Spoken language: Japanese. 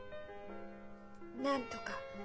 なんとか。